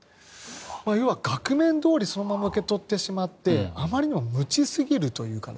いわば、額面どおりそのまま受け取ってしまってあまりにも無知すぎるというか。